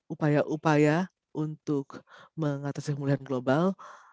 upaya upaya untuk mengatasi pemulihan global